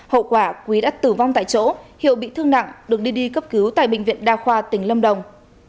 hậu quả quý đã tử vong tại chỗ hiệu bị thương nặng được đi đi cấp cứu tại bệnh viện đa khoa tỉnh lâm đồng